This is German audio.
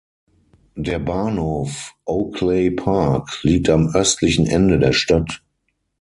Der Bahnhof Oakleigh Park liegt am östlichen Ende der Stadt.